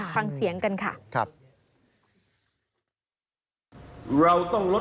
ฟังเสียงกันค่ะ